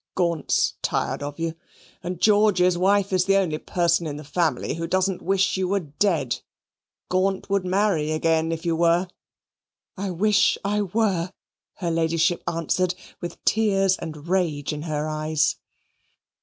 Gaunt's tired of you, and George's wife is the only person in the family who doesn't wish you were dead. Gaunt would marry again if you were." "I wish I were," her Ladyship answered with tears and rage in her eyes.